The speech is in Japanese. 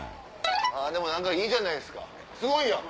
あでも何かいいじゃないですかすごいやん。